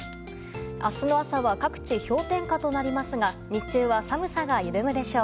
明日の朝は各地、氷点下となりますが日中は寒さが緩むでしょう。